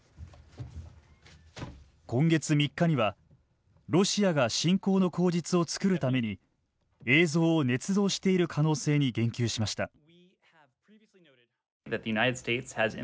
今月３日にはロシアが侵攻の口実を作るために映像をねつ造している可能性に言及しました。